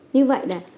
như vậy này